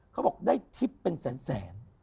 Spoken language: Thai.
เขาบอกได้ทิพย์เป็นแสน